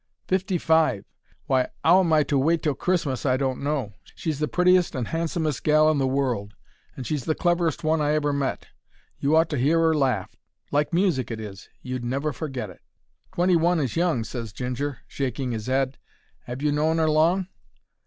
Fifty five! Why, 'ow I'm to wait till Christmas I don't know. She's the prettiest and handsomest gal in the world; and she's the cleverest one I ever met. You ought to hear 'er laugh. Like music it is. You'd never forget it." "Twenty one is young," ses Ginger, shaking his 'ead. "'Ave you known 'er long?"